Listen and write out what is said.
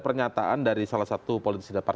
pernyataan dari salah satu politisi dpr